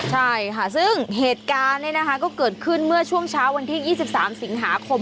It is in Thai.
ใช่ค่ะซึ่งเหตุการณ์ก็เกิดขึ้นเมื่อช่วงเช้าวันที่๒๓สิงหาคม